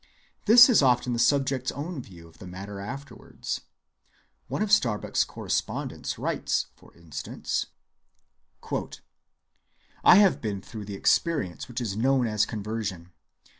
This is often the subject's own view of the matter afterwards. One of Starbuck's correspondents writes, for instance:— "I have been through the experience which is known as conversion.